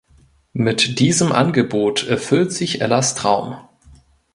Mit diesem Angebot erfüllt sich Ellas Traum.